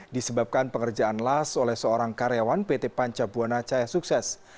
disebabkan pengerjaan las oleh seorang karyawan pt panca buana cahaya sukses